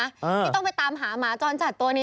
ที่ต้องไปตามหาหมาจรจัดตัวนี้